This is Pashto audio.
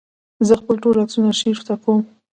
زه خپل ټول عکسونه آرشیف کوم.